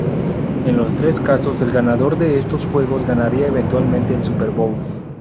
En los tres casos, el ganador de esos juegos ganaría eventualmente el Super Bowl.